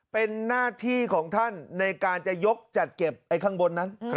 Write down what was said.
เป็นหน้าที่ของท่านในการจะยกจัดเก็บข้างบนนั้น